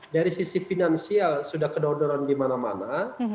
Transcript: dari sisi finansial sudah kedodoran di mana mana